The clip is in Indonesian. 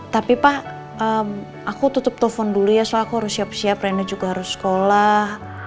tapi pak aku tutup telepon dulu ya soal aku harus siap siap rena juga harus sekolah